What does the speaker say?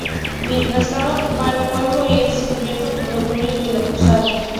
Mientras, Adric va al pueblo y es descubierto por los dueños de la posada.